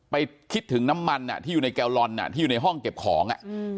คิดถึงน้ำมันที่อยู่ในแกลลอนที่อยู่ในห้องเก็บของ